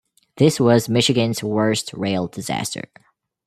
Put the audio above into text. This was Michigan's worst rail disaster.